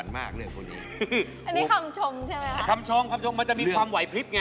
คำลึ้งมันจะมีความหวายพิษไง